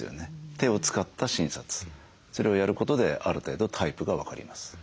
手を使った診察それをやることである程度タイプが分かります。